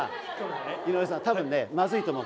井上さん多分ねまずいと思う。